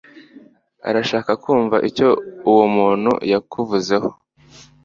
Urashaka kumva icyo uwo muntu yakuvuzeho